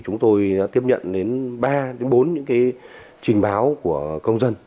chúng tôi đã tiếp nhận đến ba bốn những trình báo của công dân